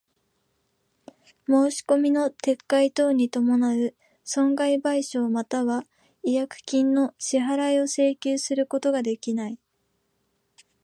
申込みの撤回等に伴う損害賠償又は違約金の支払を請求することができない。